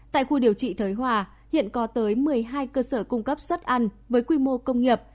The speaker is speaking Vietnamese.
tại khu điều trị thới hòa hiện có tới một mươi hai cơ sở cung cấp suất ăn với quy mô công nghiệp